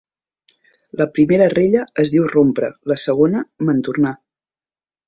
La primera rella es diu rompre; la segona, mantornar.